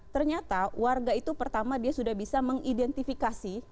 ternyata warga itu pertama dia sudah bisa mengidentifikasi